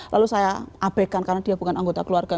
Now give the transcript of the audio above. lalu saya abekan karena dia bukan anggota keluarga